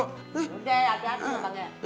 udah ya ada aja bang ya